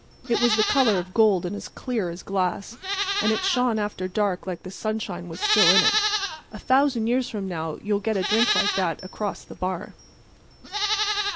It was the color of gold and as clear as glass, and it shone after dark like the sunshine was still in it. A thousand years from now you'll get a drink like that across the bar.